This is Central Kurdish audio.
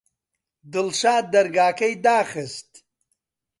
دڵشاد دەرگاکەی داخست.